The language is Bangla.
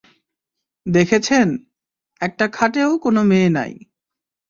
দেখেছেন, একটা খাটেও কোনো মেয়ে নাই।